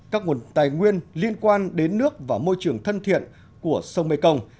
các nguồn tài nguyên liên quan đến nước và môi trường thân thiện của sông mekong